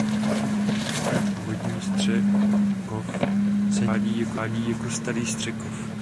Původní Střekov se někdy uvádí jako starý Střekov.